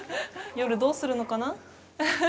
夜どうするのかな？